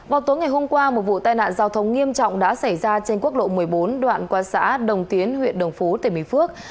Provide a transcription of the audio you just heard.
vào tối ngày hôm qua một vụ tai nạn giao thông nghiêm trọng đã xảy ra trên quốc lộ một mươi bốn đoạn qua xã đồng tiến huyện đồng phú tỉnh bình phước